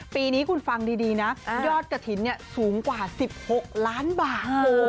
ปีนี้คุณฟังดีนะยอดกระถิ่นสูงกว่า๑๖ล้านบาท